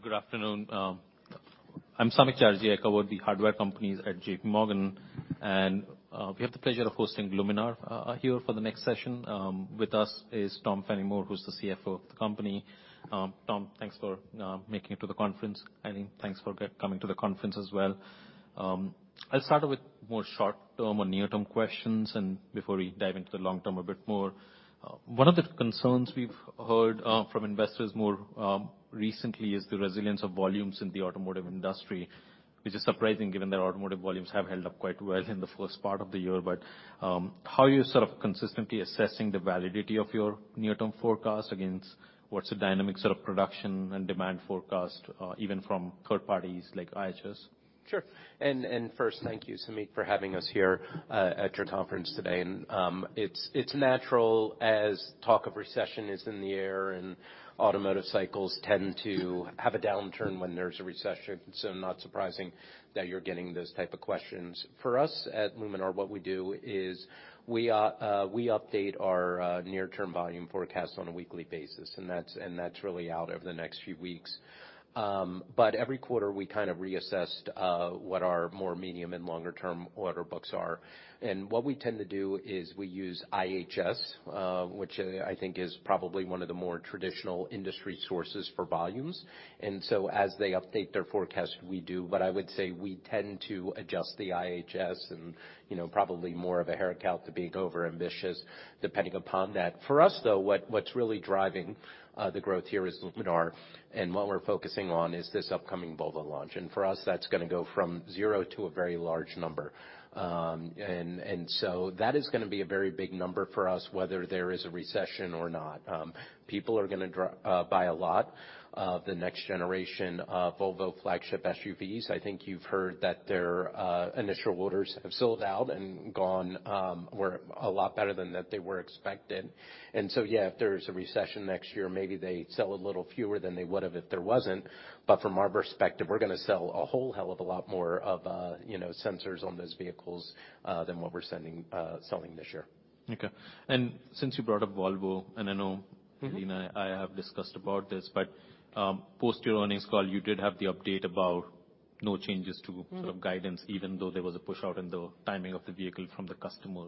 Good afternoon, I'm Samik Chatterjee. I cover the hardware companies at J.P. Morgan. We have the pleasure of hosting Luminar here for the next session. With us is Tom Fennimore, who's the CFO of the company. Tom, thanks for making it to the conference. Thanks for coming to the conference as well. I'll start out with more short-term or near-term questions before we dive into the long-term a bit more. One of the concerns we've heard from investors more recently is the resilience of volumes in the automotive industry, which is surprising given that automotive volumes have held up quite well in the first part of the year. How are you sort of consistently assessing the validity of your near-term forecast against what's the dynamic sort of production and demand forecast, even from third parties like IHS? Sure. First thank you, Samik, for having us here at your conference today. It's natural as talk of recession is in the air and automotive cycles tend to have a downturn when there's a recession, not surprising that you're getting those type of questions. For us at Luminar, what we do is we update our near-term volume forecast on a weekly basis, and that's really out over the next few weeks. Every quarter, we kind of reassess what our more medium and longer-term order books are. What we tend to do is we use IHS, which I think is probably one of the more traditional industry sources for volumes. As they update their forecast, we do, but I would say we tend to adjust the IHS and, you know, probably more of a haircut to being overambitious depending upon that. For us, though, what's really driving the growth here is Luminar, and what we're focusing on is this upcoming Volvo launch. For us, that's gonna go from 0 to a very large number. That is gonna be a very big number for us, whether there is a recession or not. People are gonna buy a lot of the next generation of Volvo flagship SUVs. I think you've heard that their initial orders have sold out and gone, or a lot better than that they were expected. Yeah, if there's a recession next year, maybe they sell a little fewer than they would've if there wasn't, but from our perspective, we're gonna sell a whole hell of a lot more of, you know, sensors on those vehicles, than what we're selling this year. Okay. Since you brought up Volvo, and I know- Mm-hmm. you know, I have discussed about this. post your earnings call, you did have the update about no changes to. Mm. -sort of guidance, even though there was a pushout in the timing of the vehicle from the customer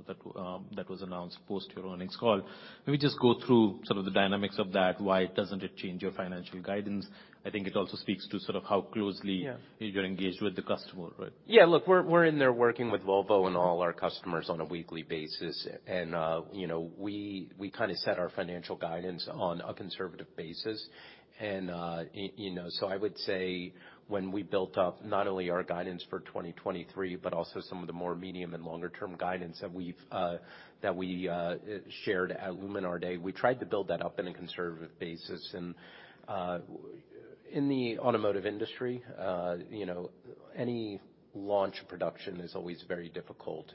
that was announced post your earnings call. Maybe just go through sort of the dynamics of that, why doesn't it change your financial guidance? I think it also speaks to sort of how closely- Yeah. you're engaged with the customer, right? Yeah, look, we're in there working with Volvo and all our customers on a weekly basis. you know, we kind of set our financial guidance on a conservative basis. you know, so I would say when we built up not only our guidance for 2023, but also some of the more medium and longer-term guidance that we've that we shared at Luminar Day, we tried to build that up in a conservative basis. in the automotive industry, you know, any launch production is always very difficult.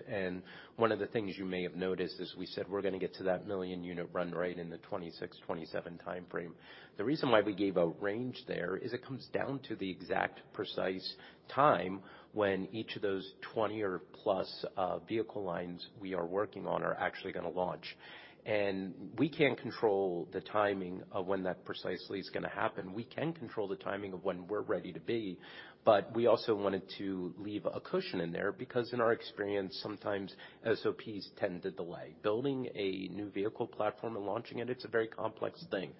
One of the things you may have noticed is we said we're gonna get to that 1 million unit run rate in the 2026-2027 timeframe. The reason why we gave a range there is it comes down to the exact precise time when each of those 20 or plus vehicle lines we are working on are actually gonna launch. We can't control the timing of when that precisely is gonna happen. We can control the timing of when we're ready to be, but we also wanted to leave a cushion in there because in our experience, sometimes SOPs tend to delay. Building a new vehicle platform and launching it's a very complex thing.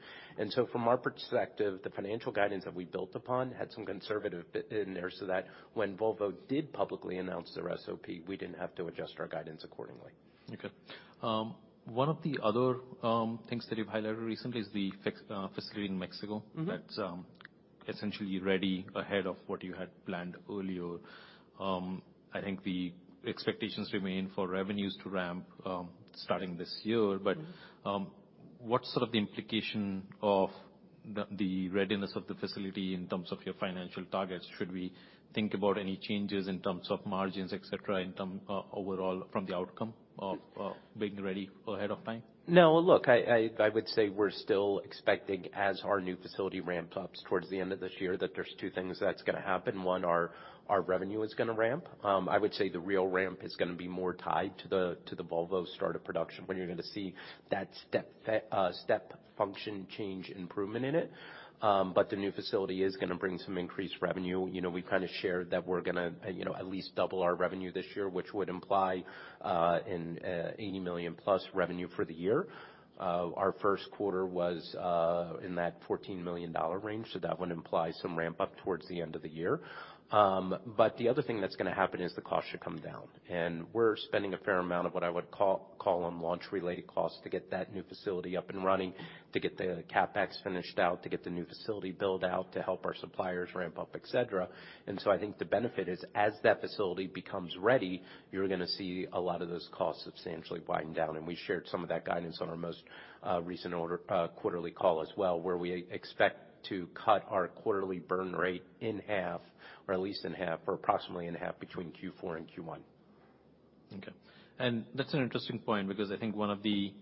From our perspective, the financial guidance that we built upon had some conservative bit in there, so that when Volvo did publicly announce their SOP, we didn't have to adjust our guidance accordingly. Okay. One of the other things that you've highlighted recently is the facility in Mexico. Mm-hmm. -that's, essentially ready ahead of what you had planned earlier. I think the expectations remain for revenues to ramp, starting this year. Mm-hmm. What's sort of the implication of the readiness of the facility in terms of your financial targets? Should we think about any changes in terms of margins, et cetera, overall from the outcome of being ready ahead of time? No. Look, I would say we're still expecting, as our new facility ramps up towards the end of this year, that there's two things that's gonna happen. One, our revenue is gonna ramp. I would say the real ramp is gonna be more tied to the Volvo start of production when you're gonna see that step function change improvement in it. The new facility is gonna bring some increased revenue. You know, we kinda shared that we're gonna, you know, at least double our revenue this year, which would imply an $80 million plus revenue for the year. Our 1st quarter was in that $14 million range. That would imply some ramp up towards the end of the year. But the other thing that's gonna happen is the cost should come down, and we're spending a fair amount of what I would call them launch related costs to get that new facility up and running, to get the CapEx finished out, to get the new facility build-out, to help our suppliers ramp up, et cetera. I think the benefit is, as that facility becomes ready, you're gonna see a lot of those costs substantially wind down. We shared some of that guidance on our most recent order quarterly call as well, where we expect to cut our quarterly burn rate in half or at least in half or approximately in half between Q4 and Q1. Okay. That's an interesting point because I think one of the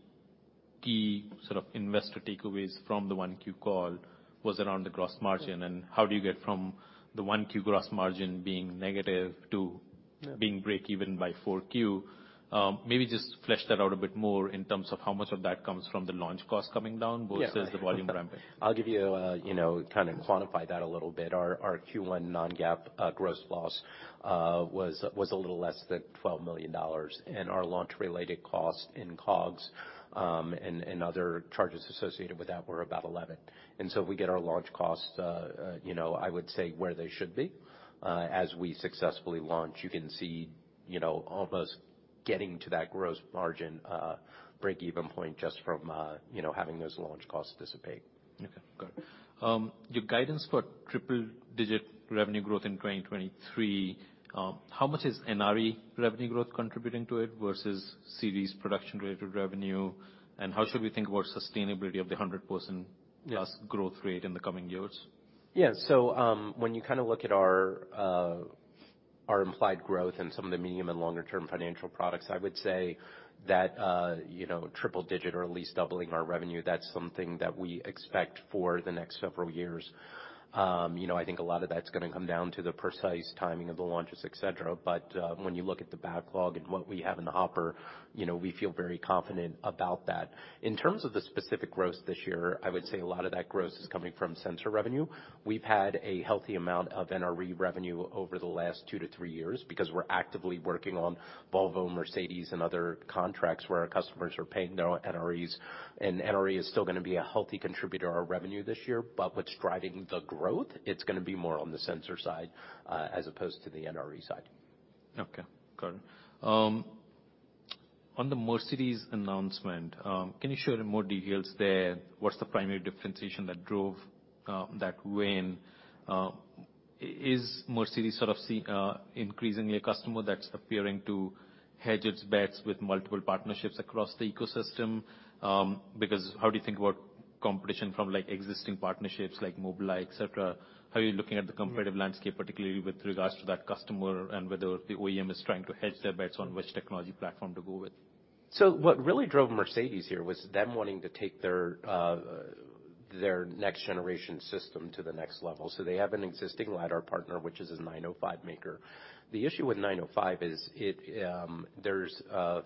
key sort of investor takeaways from the 1Q call was around the gross margin. How do you get from the 1Q gross margin being negative to being breakeven by 4Q? Maybe just flesh that out a bit more in terms of how much of that comes from the launch cost coming down versus the volume ramp. I'll give you know, kind of quantify that a little bit. Our Q1 non-GAAP gross loss was a little less than $12 million. Our launch-related costs in COGS and other charges associated with that were about $11 million. We get our launch costs, you know, I would say, where they should be. As we successfully launch, you can see, you know, almost getting to that gross margin breakeven point just from, you know, having those launch costs dissipate. Okay. Got it. Your guidance for triple digit revenue growth in 2023, how much is NRE revenue growth contributing to it versus series production related revenue? How should we think about sustainability of the 100%- Yes... plus growth rate in the coming years? When you kind of look at our implied growth in some of the medium and longer term financial products, I would say that, you know, triple digit or at least doubling our revenue, that's something that we expect for the next several years. You know, I think a lot of that's gonna come down to the precise timing of the launches, et cetera. When you look at the backlog and what we have in the hopper, you know, we feel very confident about that. In terms of the specific growth this year, I would say a lot of that growth is coming from sensor revenue. We've had a healthy amount of NRE revenue over the last two to three years because we're actively working on Volvo, Mercedes and other contracts where our customers are paying their NREs. NRE is still gonna be a healthy contributor of revenue this year. What's driving the growth, it's gonna be more on the sensor side, as opposed to the NRE side. Okay. Got it. On the Mercedes announcement, can you share more details there? What's the primary differentiation that drove that win? Is Mercedes sort of increasingly a customer that's appearing to hedge its bets with multiple partnerships across the ecosystem? How do you think about competition from, like, existing partnerships like Mobileye, et cetera? How are you looking at the competitive landscape, particularly with regards to that customer and whether the OEM is trying to hedge their bets on which technology platform to go with? What really drove Mercedes here was them wanting to take their next generation system to the next level. They have an existing lidar partner, which is a 905 nm maker. The issue with 905 nm is it, there's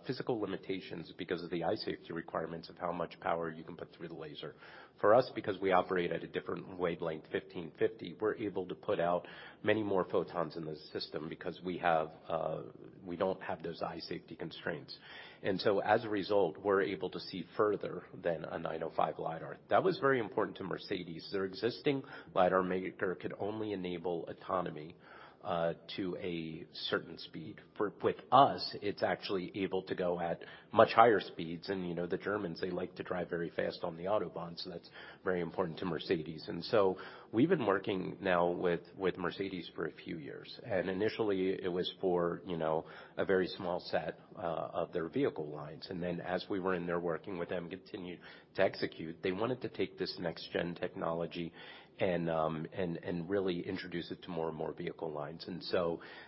physical limitations because of the eye safety requirements of how much power you can put through the laser. For us, because we operate at a different wavelength, 1550nm, we're able to put out many more photons in the system because we have, we don't have those eye safety constraints. As a result, we're able to see further than a 905 nm lidar. That was very important to Mercedes. Their existing lidar maker could only enable autonomy, to a certain speed. With us, it's actually able to go at much higher speeds. you know, the Germans, they like to drive very fast on the Autobahn, so that's very important to Mercedes. We've been working now with Mercedes for a few years, and initially it was for, you know, a very small set of their vehicle lines. Then as we were in there working with them, continued to execute, they wanted to take this next-gen technology and really introduce it to more and more vehicle lines.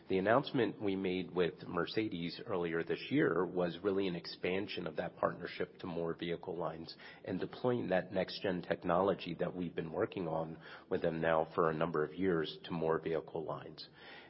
The announcement we made with Mercedes earlier this year was really an expansion of that partnership to more vehicle lines and deploying that next-gen technology that we've been working on with them now for a number of years to more vehicle lines.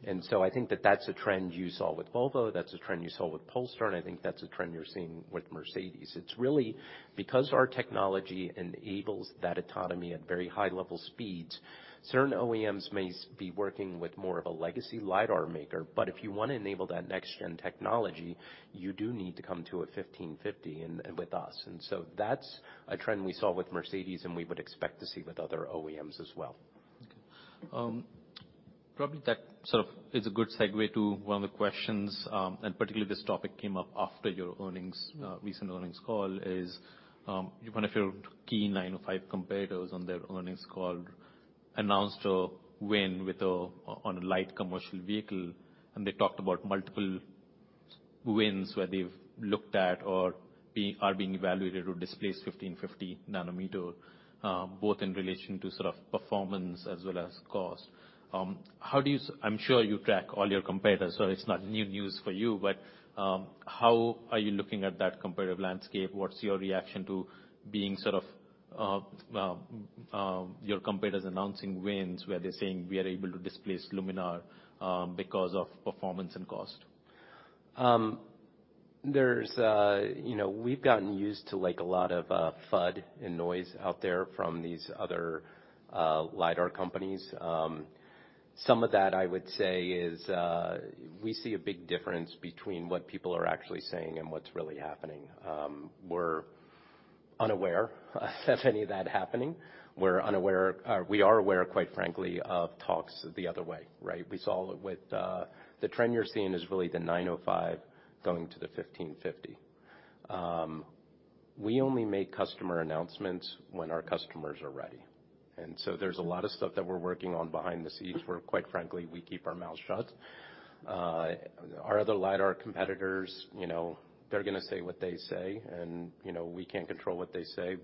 I think that that's a trend you saw with Volvo, that's a trend you saw with Polestar, and I think that's a trend you're seeing with Mercedes. It's really because our technology enables that autonomy at very high-level speeds. Certain OEMs may be working with more of a legacy lidar maker, but if you wanna enable that next-gen technology, you do need to come to a 1550nm and with us. That's a trend we saw with Mercedes, and we would expect to see with other OEMs as well. Probably that sort of is a good segue to 1 of the questions, and particularly this topic came up after your recent earnings call, is 1 of your key 905 nm competitors on their earnings call announced a win with a on a light commercial vehicle, and they talked about multiple wins where they've looked at or being, are being evaluated to displace 1550nm, both in relation to sort of performance as well as cost. How do you I'm sure you track all your competitors, so it's not new news for you, but how are you looking at that competitive landscape? What's your reaction to being sort of, your competitors announcing wins, where they're saying we are able to displace Luminar because of performance and cost? There's, you know, we've gotten used to like a lot of FUD and noise out there from these other lidar companies. Some of that I would say is, we see a big difference between what people are actually saying and what's really happening. We're unaware of any of that happening. We're unaware. We are aware, quite frankly, of talks the other way, right? We saw with, the trend you're seeing is really the 905 nm going to the 1550nm. We only make customer announcements when our customers are ready. There's a lot of stuff that we're working on behind the scenes where quite frankly, we keep our mouths shut. Our other lidar competitors, you know, they're gonna say what they say. You know, we can't control what they say.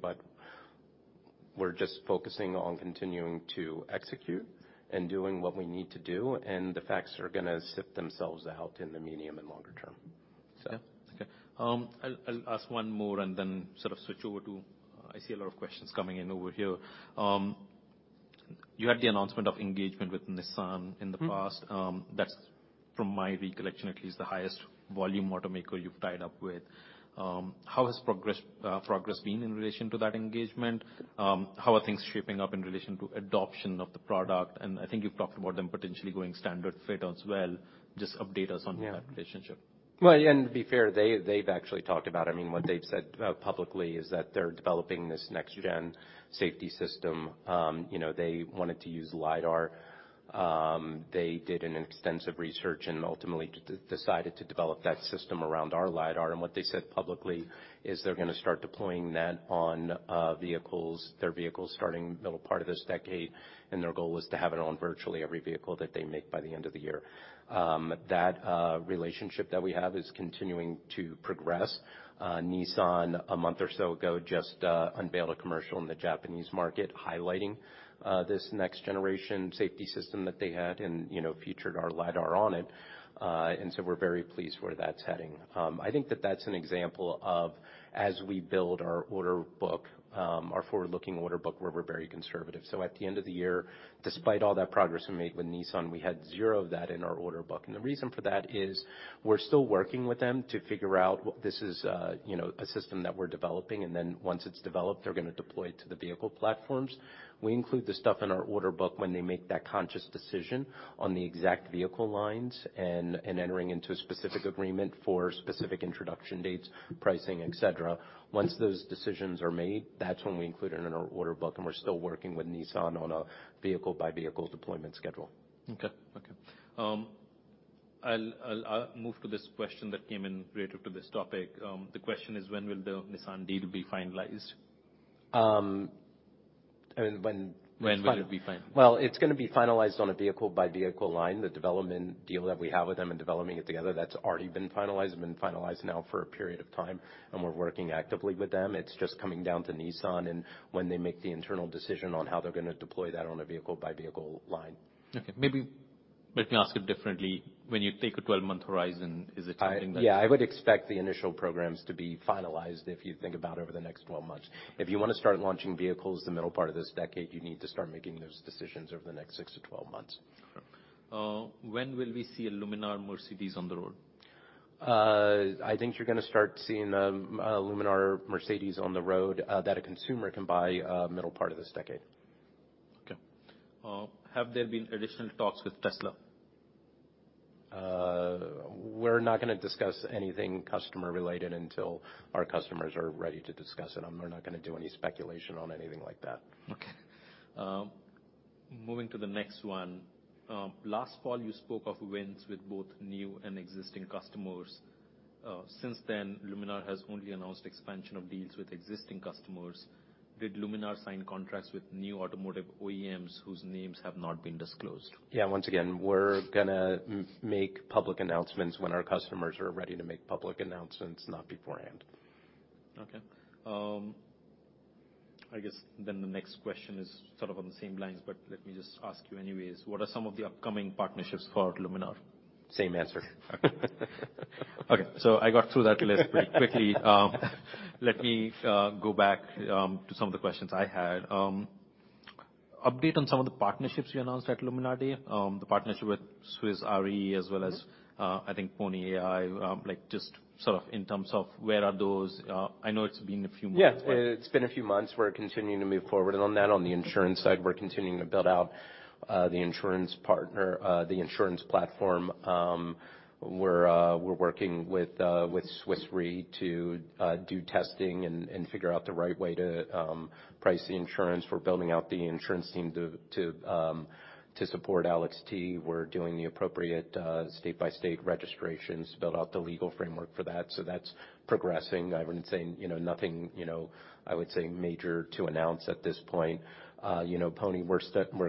We're just focusing on continuing to execute and doing what we need to do. The facts are gonna sift themselves out in the medium and longer term. Okay. I'll ask one more and then sort of switch over to, I see a lot of questions coming in over here. You had the announcement of engagement with Nissan in the past. Mm-hmm. That's from my recollection at least the highest volume automaker you've tied up with. How has progress been in relation to that engagement? How are things shaping up in relation to adoption of the product? I think you've talked about them potentially going standard fit as well. Just update us on that relationship. Well, yeah, to be fair, they've actually talked about it. I mean, what they've said publicly is that they're developing this next gen safety system. You know, they wanted to use lidar. They did an extensive research and ultimately decided to develop that system around our lidar. What they said publicly is they're gonna start deploying that on vehicles, their vehicles starting middle part of this decade, and their goal was to have it on virtually every vehicle that they make by the end of the year. That relationship that we have is continuing to progress. Nissan, a month or so ago just unveiled a commercial in the Japanese market highlighting this next generation safety system that they had and, you know, featured our lidar on it. We're very pleased where that's heading. I think that that's an example of as we build our order book, our forward-looking order book, where we're very conservative. At the end of the year, despite all that progress we made with Nissan, we had zero of that in our order book. The reason for that is we're still working with them to figure out what this is, you know, a system that we're developing, and then once it's developed, they're gonna deploy it to the vehicle platforms. We include the stuff in our order book when they make that conscious decision on the exact vehicle lines and entering into a specific agreement for specific introduction dates, pricing, et cetera. Once those decisions are made, that's when we include it in our order book, and we're still working with Nissan on a vehicle-by-vehicle deployment schedule. Okay. I'll move to this question that came in related to this topic. The question is: When will the Nissan deal be finalized? I mean. When will it be finalized? It's gonna be finalized on a vehicle-by-vehicle line. The development deal that we have with them in developing it together, that's already been finalized, been finalized now for a period of time, and we're working actively with them. It's just coming down to Nissan and when they make the internal decision on how they're gonna deploy that on a vehicle-by-vehicle line. Okay. Maybe let me ask it differently. When you take a 12-month horizon, is it something that- Yeah, I would expect the initial programs to be finalized, if you think about over the next 12 months. If you wanna start launching vehicles the middle part of this decade, you need to start making those decisions over the next 6-12 months. Okay. When will we see a Luminar Mercedes on the road? I think you're gonna start seeing a Luminar Mercedes on the road that a consumer can buy middle part of this decade. Okay. Have there been additional talks with Tesla? We're not gonna discuss anything customer related until our customers are ready to discuss it. We're not gonna do any speculation on anything like that. Okay. Moving to the next one. Last fall you spoke of wins with both new and existing customers. Since then, Luminar has only announced expansion of deals with existing customers. Did Luminar sign contracts with new automotive OEMs whose names have not been disclosed? Yeah. Once again, we're gonna make public announcements when our customers are ready to make public announcements, not beforehand. I guess then the next question is sort of on the same lines, but let me just ask you anyways. What are some of the upcoming partnerships for Luminar? Same answer. Okay. I got through that list pretty quickly. Let me go back to some of the questions I had. Update on some of the partnerships you announced at Luminar Day: the partnership with Swiss Re as well as I think Pony.ai. like, just sort of in terms of where are those? Yeah. It's been a few months. We're continuing to move forward on that. On the insurance side, we're continuing to build out the insurance partner, the insurance platform. We're working with Swiss Re to do testing and figure out the right way to price the insurance. We're building out the insurance team to support Alex Tsekounas. We're doing the appropriate state-by-state registrations, build out the legal framework for that. That's progressing. I wouldn't say, you know, nothing, you know, I would say major to announce at this point. You know, Pony, we're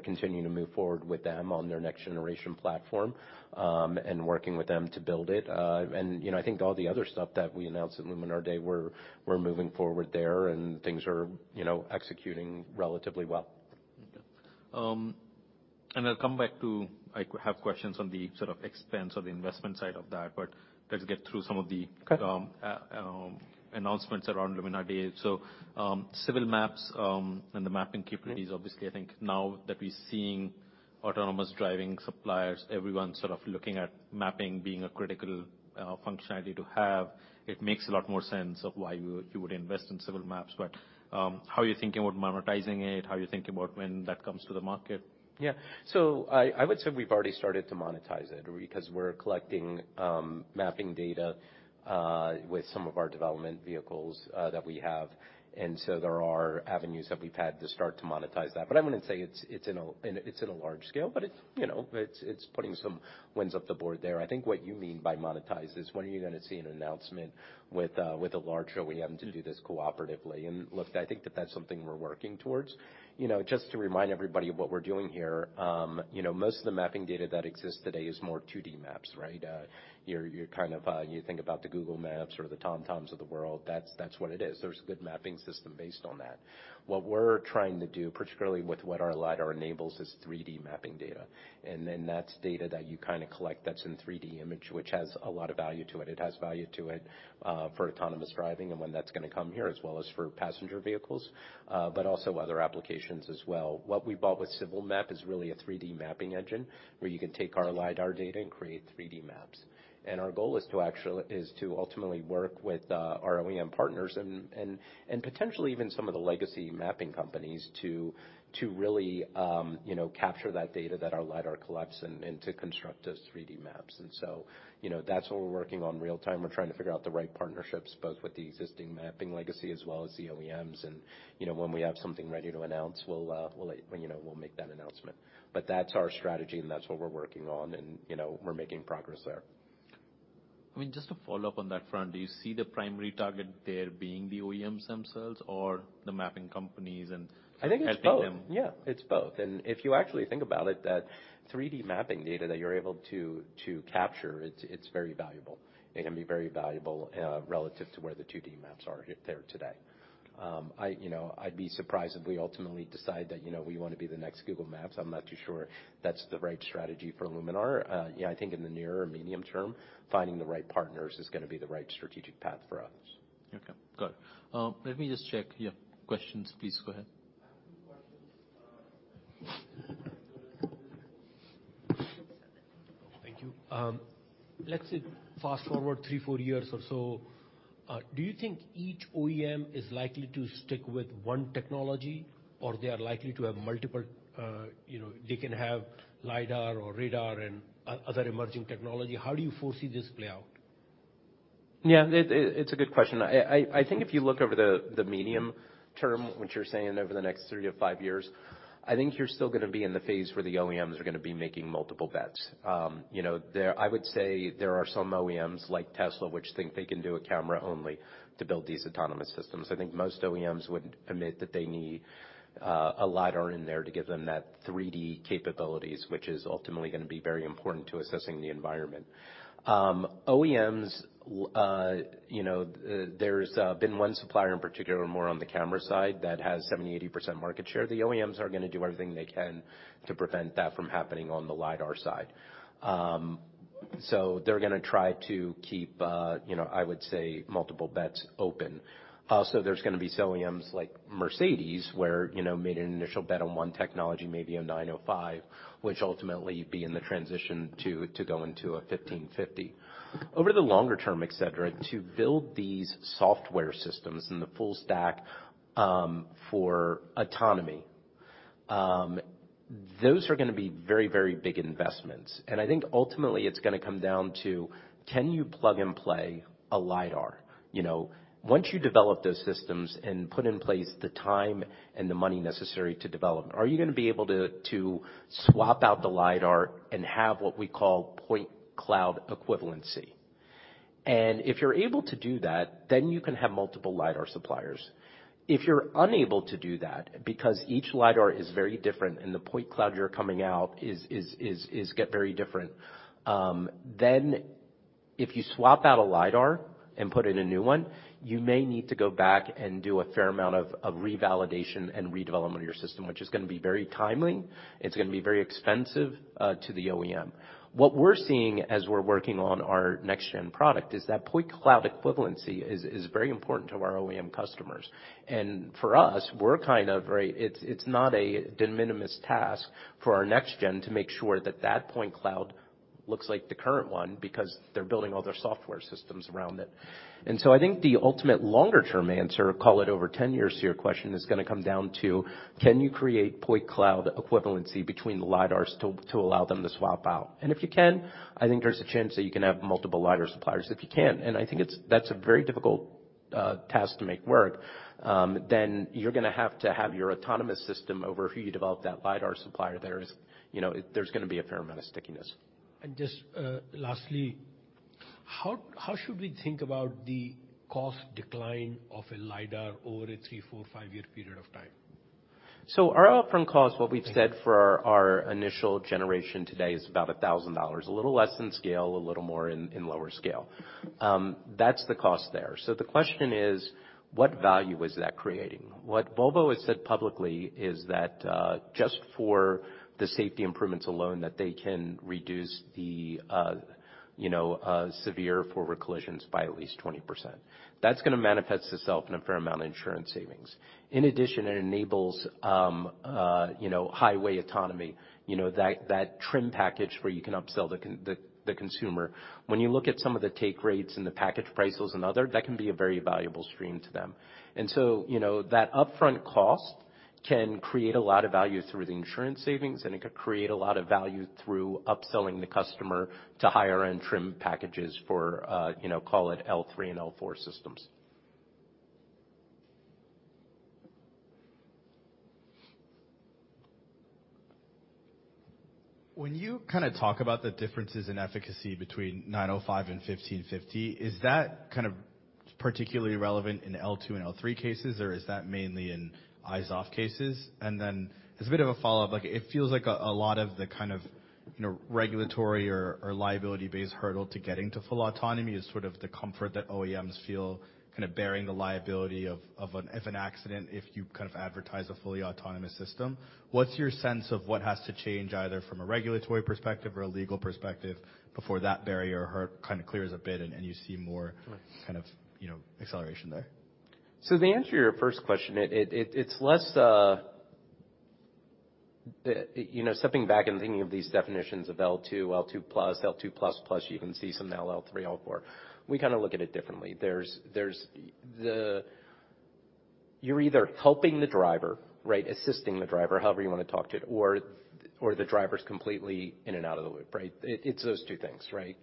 continuing to move forward with them on their next-generation platform and working with them to build it. You know, I think all the other stuff that we announced at Luminar Day, we're moving forward there and things are, you know, executing relatively well. Okay. I have questions on the sort of expense or the investment side of that, but let's get through some of the. Okay announcements around Luminar Day. Civil Maps and the mapping capabilities, obviously, I think now that we're seeing autonomous driving suppliers, everyone sort of looking at mapping being a critical functionality to have, it makes a lot more sense of why you would invest in Civil Maps. How are you thinking about monetizing it? How are you thinking about when that comes to the market? Yeah. I would say we've already started to monetize it because we're collecting mapping data with some of our development vehicles that we have. There are avenues that we've had to start to monetize that. I wouldn't say it's in a large scale, but it's, you know, it's putting some wins up the board there. I think what you mean by monetize is when are you gonna see an announcement with a, with a large OEM to do this cooperatively. Look, I think that that's something we're working towards. You know, just to remind everybody of what we're doing here, you know, most of the mapping data that exists today is more 2D maps, right? You're kind of, you think about the Google Maps or the TomTom of the world, that's what it is. There's a good mapping system based on that. What we're trying to do, particularly with what our lidar enables, is 3D mapping data. That's data that you kind of collect that's in 3D image, which has a lot of value to it. It has value to it, for autonomous driving and when that's gonna come here, as well as for passenger vehicles, also other applications as well. What we bought with Civil Maps is really a 3D mapping engine, where you can take our lidar data and create 3D maps. Our goal is to ultimately work with our OEM partners and potentially even some of the legacy mapping companies to really, you know, capture that data that our lidar collects and to construct those 3D maps. You know, that's what we're working on real time. We're trying to figure out the right partnerships, both with the existing mapping legacy as well as the OEMs. You know, when we have something ready to announce, we'll let you know, we'll make that announcement. That's our strategy and that's what we're working on and, you know, we're making progress there. I mean, just to follow up on that front, do you see the primary target there being the OEMs themselves or the mapping companies and helping them? I think it's both. Yeah, it's both. If you actually think about it, that 3D mapping data that you're able to capture, it's very valuable. It can be very valuable relative to where the 2D maps are there today. I, you know, I'd be surprised if we ultimately decide that, you know, we wanna be the next Google Maps. I'm not too sure that's the right strategy for Luminar. Yeah, I think in the near or medium term, finding the right partners is gonna be the right strategic path for us. Okay. Got it. Let me just check. Yeah. Questions, please go ahead. I have 2 questions. Thank you. Let's say fast-forward 3, 4 years or so, do you think each OEM is likely to stick with one technology or they are likely to have multiple, you know, they can have lidar or radar and other emerging technology? How do you foresee this play out? Yeah. It's a good question. I think if you look over the medium term, which you're saying over the next 3 to 5 years, I think you're still gonna be in the phase where the OEMs are gonna be making multiple bets. You know, I would say there are some OEMs like Tesla, which think they can do a camera only to build these autonomous systems. I think most OEMs would admit that they need a lidar in there to give them that 3-D capabilities, which is ultimately gonna be very important to assessing the environment. OEMs, you know, there's been one supplier in particular more on the camera side that has 70%, 80% market share. The OEMs are gonna do everything they can to prevent that from happening on the lidar side. They're gonna try to keep, I would say multiple bets open. Also there's gonna be some OEMs like Mercedes, where made an initial bet on one technology, maybe a 905 nm, which ultimately be in the transition to go into a 1550nm. Over the longer term, et cetera, to build these software systems in the full stack for autonomy, those are gonna be very, very big investments. I think ultimately it's gonna come down to, can you plug and play a lidar? Once you develop those systems and put in place the time and the money necessary to develop, are you gonna be able to swap out the lidar and have what we call point cloud equivalency? If you're able to do that, then you can have multiple lidar suppliers. If you're unable to do that, because each lidar is very different and the point cloud you're coming out is get very different, then if you swap out a lidar and put in a new one, you may need to go back and do a fair amount of revalidation and redevelopment of your system, which is gonna be very timely. It's gonna be very expensive to the OEM. What we're seeing as we're working on our next gen product is that point cloud equivalency is very important to our OEM customers. For us. It's not a de minimis task for our next gen to make sure that that point cloud looks like the current one because they're building all their software systems around it. I think the ultimate longer term answer, call it over 10 years to your question, is gonna come down to, can you create point cloud equivalency between the lidars to allow them to swap out? If you can, I think there's a chance that you can have multiple lidar suppliers. If you can't, and I think that's a very difficult task to make work, then you're gonna have to have your autonomous system over who you develop that lidar supplier. There is, you know, there's gonna be a fair amount of stickiness. Just, lastly, how should we think about the cost decline of a lidar over a 3, 4, 5-year period of time? Our upfront cost, what we've said for our initial generation today, is about $1,000. A little less in scale, a little more in lower scale. That's the cost there. The question is, what value is that creating? What Volvo has said publicly is that just for the safety improvements alone, that they can reduce the, you know, severe forward collisions by at least 20%. That's gonna manifest itself in a fair amount of insurance savings. In addition, it enables, you know, highway autonomy, you know, that trim package where you can upsell the consumer. When you look at some of the take rates and the package prices and other, that can be a very valuable stream to them. You know, that upfront cost can create a lot of value through the insurance savings, and it could create a lot of value through upselling the customer to higher-end trim packages for, you know, call it L3 and L4 systems. When you kinda talk about the differences in efficacy between 905 nm and 1550nm, is that kind of particularly relevant in L2 and L3 cases, or is that mainly in eyes-off cases? As a bit of a follow-up, like, it feels like a lot of the kind of, you know, regulatory or liability-based hurdle to getting to full autonomy is sort of the comfort that OEMs feel kinda bearing the liability if an accident, if you kind of advertise a fully autonomous system. What's your sense of what has to change either from a regulatory perspective or a legal perspective before that barrier kind of clears a bit and you see more? Right... kind of, you know, acceleration there? The answer to your first question, it's less, the... You know, stepping back and thinking of these definitions of L2+, L2++, you even see some now L3, L4, we kind of look at it differently. There's the... You're either helping the driver, right? Assisting the driver, however you want to talk to, or the driver's completely in and out of the loop, right? It's those two things, right?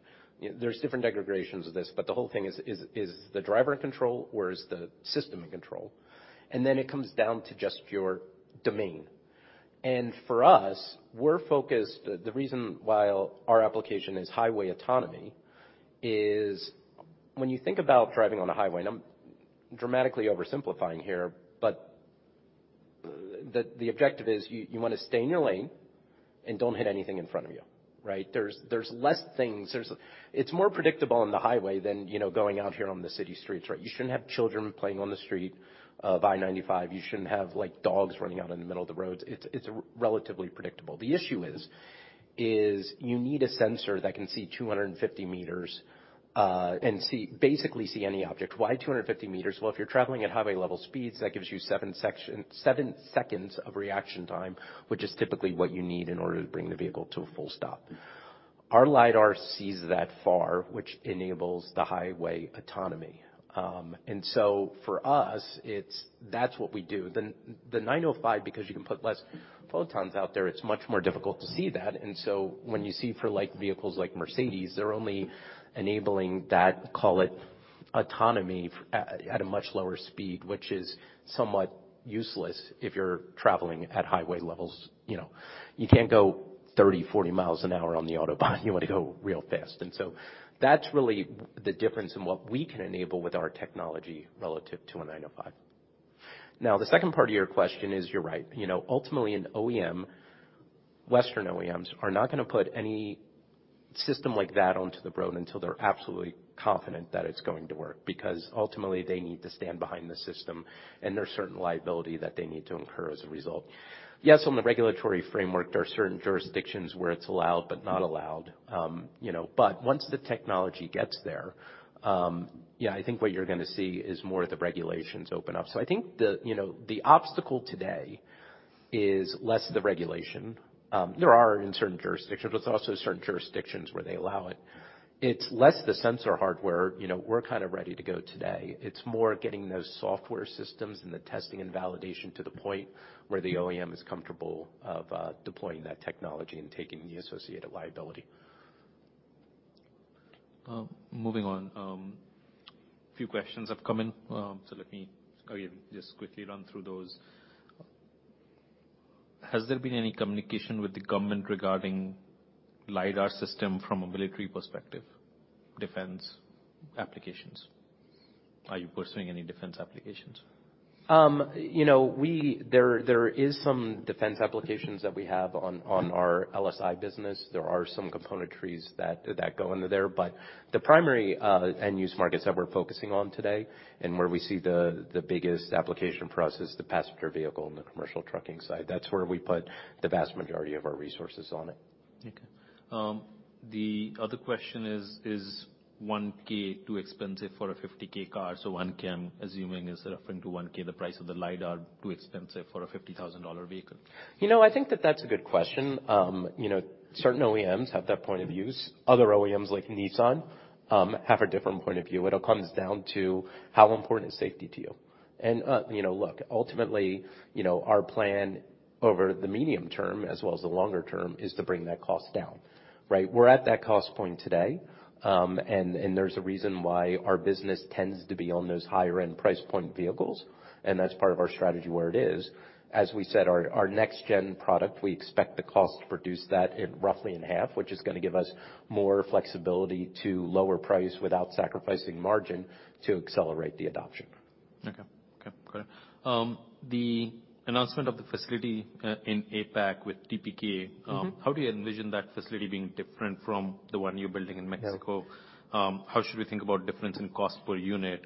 There's different aggregations of this, but the whole thing is the driver in control or is the system in control? Then it comes down to just your domain. For us, we're focused, the reason why our application is highway autonomy is when you think about driving on a highway, Dramatically oversimplifying here, but the objective is you wanna stay in your lane and don't hit anything in front of you, right? There's less things. It's more predictable on the highway than, you know, going out here on the city streets, right? You shouldn't have children playing on the street of I-95. You shouldn't have, like, dogs running out in the middle of the roads. It's relatively predictable. The issue is you need a sensor that can see 250 meters, and basically see any object. Why 250 meters? If you're traveling at highway level speeds, that gives you 7 seconds of reaction time, which is typically what you need in order to bring the vehicle to a full stop. Our lidar sees that far, which enables the highway autonomy. For us, it's... that's what we do. The 905 nm, because you can put less photons out there, it's much more difficult to see that. When you see for like vehicles like Mercedes, they're only enabling that, call it autonomy at a much lower speed, which is somewhat useless if you're traveling at highway levels. You know, you can't go 30, 40 miles an hour on the Autobahn. You wanna go real fast. That's really the difference in what we can enable with our technology relative to a 905 nm. The second part of your question is you're right. You know, ultimately an OEM, Western OEMs, are not going to put any system like that onto the road until they're absolutely confident that it's going to work, because ultimately they need to stand behind the system, and there's certain liability that they need to incur as a result. On the regulatory framework, there are certain jurisdictions where it's allowed but not allowed, you know. Once the technology gets there, yeah, I think what you're going to see is more of the regulations open up. I think the, you know, the obstacle today is less the regulation. There are in certain jurisdictions. There's also certain jurisdictions where they allow it. It's less the sensor hardware. You know, we're kind of ready to go today. It's more getting those software systems and the testing and validation to the point where the OEM is comfortable of deploying that technology and taking the associated liability. Moving on, a few questions have come in. Let me just quickly run through those. Has there been any communication with the government regarding lidar system from a military perspective, defense applications? Are you pursuing any defense applications? You know, there is some defense applications that we have on our LSI business. There are some componentries that go into there, but the primary end use markets that we're focusing on today and where we see the biggest application for us is the passenger vehicle and the commercial trucking side. That's where we put the vast majority of our resources on it. The other question is $1K too expensive for a $50K car? $1K, I'm assuming, is referring to $1K, the price of the lidar too expensive for a $50,000 vehicle. You know, I think that that's a good question. You know, certain OEMs have that point of views. Other OEMs, like Nissan, have a different point of view. It all comes down to how important is safety to you. You know, look, ultimately, you know, our plan over the medium term as well as the longer term is to bring that cost down, right? We're at that cost point today, and there's a reason why our business tends to be on those higher end price point vehicles, and that's part of our strategy where it is. As we said, our next gen product, we expect the cost to produce that in roughly in half, which is gonna give us more flexibility to lower price without sacrificing margin to accelerate the adoption. Okay. Got it. The announcement of the facility in APAC with TPK- Mm-hmm. How do you envision that facility being different from the one you're building in Mexico? Yeah. How should we think about difference in cost per unit,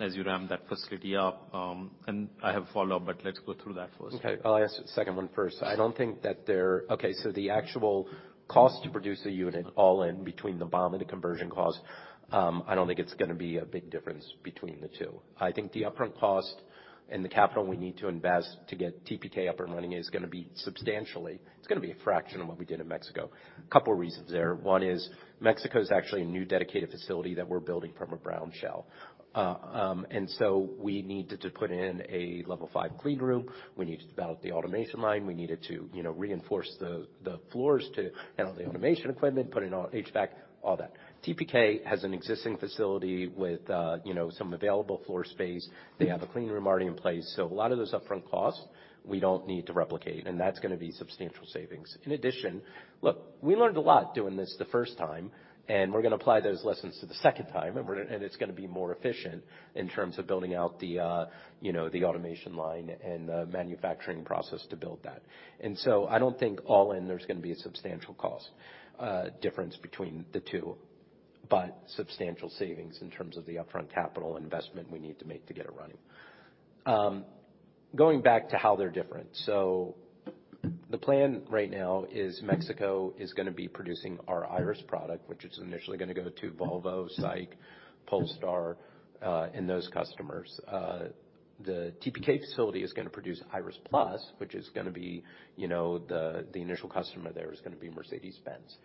as you ramp that facility up? I have follow-up, but let's go through that first. Okay. I'll answer the second one first. I don't think that there. The actual cost to produce a unit all in between the BOM and the conversion cost, I don't think it's gonna be a big difference between the two. I think the upfront cost and the capital we need to invest to get TPK up and running is gonna be substantially, it's gonna be a fraction of what we did in Mexico. A couple reasons there. One is Mexico is actually a new dedicated facility that we're building from a brown shell. So we needed to put in a level five clean room. We needed to develop the automation line. We needed to, you know, reinforce the floors to handle the automation equipment, put in all HVAC, all that. TPK has an existing facility with, you know, some available floor space. A lot of those upfront costs we don't need to replicate, and that's gonna be substantial savings. In addition, look, we learned a lot doing this the first time, and we're gonna apply those lessons to the second time, and it's gonna be more efficient in terms of building out the, you know, the automation line and the manufacturing process to build that. I don't think all in there's gonna be a substantial cost difference between the two, but substantial savings in terms of the upfront capital investment we need to make to get it running. Going back to how they're different. The plan right now is Mexico is gonna be producing our Iris product, which is initially gonna go to Volvo, SAIC, Polestar, and those customers. The TPK facility is gonna produce Iris+, which is gonna be, you know, the initial customer there is gonna be Mercedes-Benz.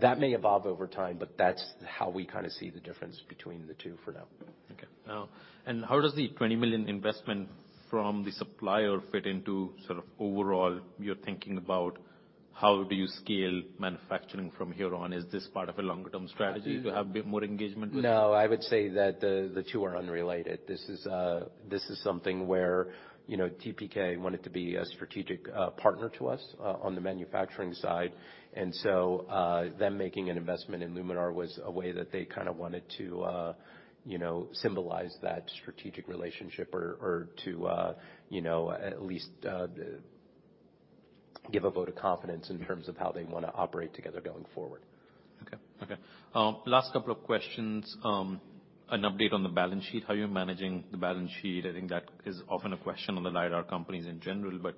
That may evolve over time, but that's how we kinda see the difference between the two for now. Okay. How does the $20 million investment from the supplier fit into sort of overall your thinking about how do you scale manufacturing from here on? Is this part of a longer-term strategy to have more engagement with- No, I would say that the two are unrelated. This is something where, you know, TPK wanted to be a strategic partner to us on the manufacturing side. Them making an investment in Luminar was a way that they kind of wanted to, you know, symbolize that strategic relationship or to, you know, at least give a vote of confidence in terms of how they wanna operate together going forward. Okay. Okay. Last couple of questions. An update on the balance sheet, how you're managing the balance sheet. I think that is often a question on the lidar companies in general, but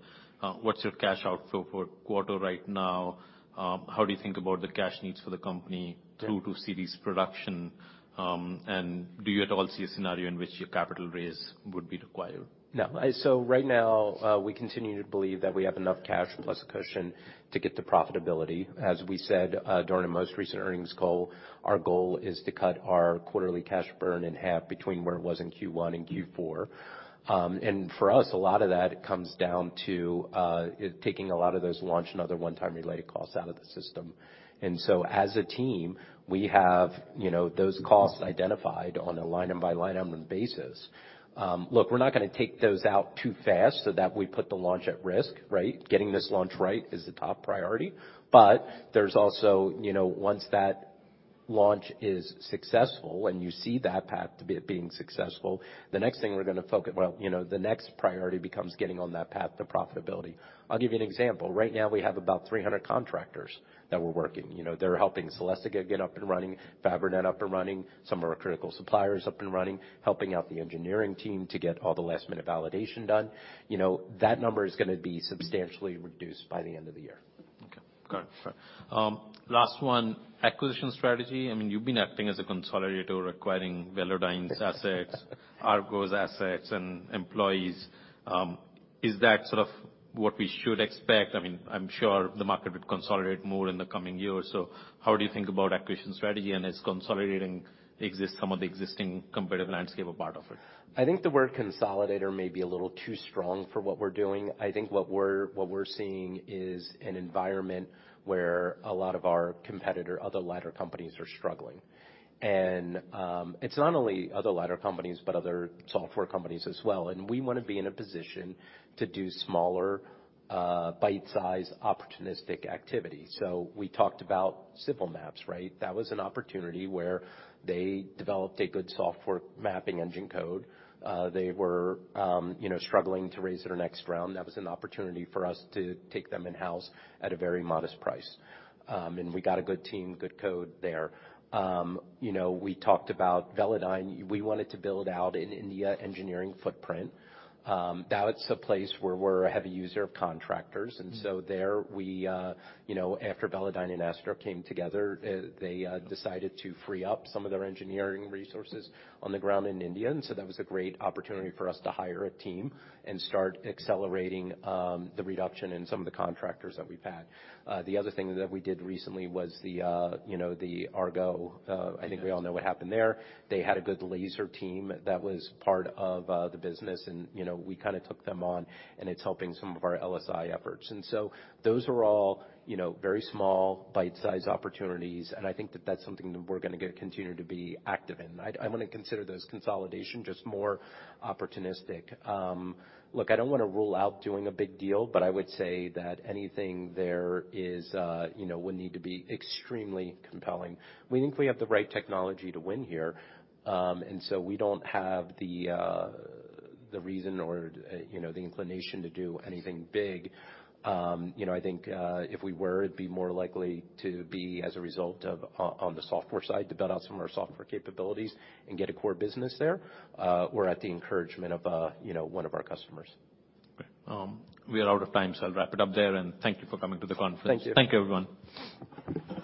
what's your cash outflow for quarter right now? How do you think about the cash needs for the company? Yeah ...through to series production? Do you at all see a scenario in which your capital raise would be required? Right now, we continue to believe that we have enough cash plus cushion to get to profitability. As we said during the most recent earnings call, our goal is to cut our quarterly cash burn in half between where it was in Q1 and Q4. For us, a lot of that comes down to taking a lot of those launch and other one-time related costs out of the system. As a team, we have, you know, those costs identified on a line item by line item basis. Look, we're not gonna take those out too fast so that we put the launch at risk, right? Getting this launch right is the top priority. There's also, you know, once that launch is successful and you see that path to being successful, the next thing we're gonna focus... Well, you know, the next priority becomes getting on that path to profitability. I'll give you an example. Right now we have about 300 contractors that we're working. You know, they're helping Celestica get up and running, Fabrinet up and running, some of our critical suppliers up and running, helping out the engineering team to get all the last minute validation done. You know, that number is gonna be substantially reduced by the end of the year. Okay. Got it. Sure. Last one, acquisition strategy. I mean, you've been acting as a consolidator acquiring Velodyne's assets, Argo's assets and employees. Is that sort of what we should expect? I mean, I'm sure the market would consolidate more in the coming years. How do you think about acquisition strategy and is consolidating some of the existing competitive landscape a part of it? I think the word consolidator may be a little too strong for what we're doing. I think what we're seeing is an environment where a lot of our competitor, other lidar companies are struggling. It's not only other lidar companies, but other software companies as well. We wanna be in a position to do smaller, bite-sized, opportunistic activity. We talked about SimpleMaps, right? That was an opportunity where they developed a good software mapping engine code. They were, you know, struggling to raise their next round. That was an opportunity for us to take them in-house at a very modest price. We got a good team, good code there. You know, we talked about Velodyne. We wanted to build out an India engineering footprint. That's a place where we're a heavy user of contractors. Mm-hmm. There we, you know, after Velodyne and Ouster came together, they decided to free up some of their engineering resources on the ground in India. That was a great opportunity for us to hire a team and start accelerating the reduction in some of the contractors that we've had. The other thing that we did recently was the, you know, the Argo. I think we all know what happened there. They had a good laser team that was part of the business and, you know, we kinda took them on and it's helping some of our LSI efforts. Those are all, you know, very small, bite-sized opportunities, and I think that that's something that we're gonna get continue to be active in. I wanna consider those consolidation, just more opportunistic. Look, I don't wanna rule out doing a big deal, but I would say that anything there is, you know, would need to be extremely compelling. We think we have the right technology to win here, and so we don't have the reason or, you know, the inclination to do anything big. You know, I think, if we were, it'd be more likely to be as a result of on the software side to build out some of our software capabilities and get a core business there, or at the encouragement of, you know, one of our customers. Great. We are out of time, so I'll wrap it up there, and thank you for coming to the conference. Thank you. Thank you, everyone.